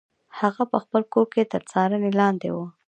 هغه په خپل کور کې تر څارنې لاندې و.